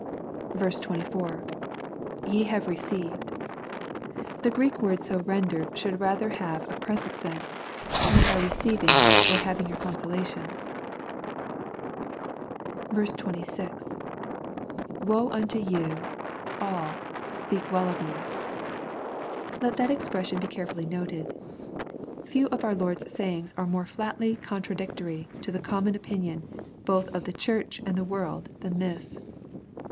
24. —[ Ye have received.] The Greek word so rendered should rather have a present sense, " ye are receiving or having your consola tion." 26. —[ Woe unto you...aIL..8peak well of you.] Let that expression be carefully noted. Few of our Lord's sayings are more flatly con tradictory to the common opinion, both of the Church and the world, than this.